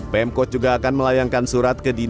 pemkot juga akan melayangkan surat kejuruteraan